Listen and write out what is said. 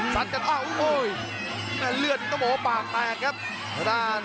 สัดกันอ้าวโอ้โหเลือดกระโหปากแตกครับ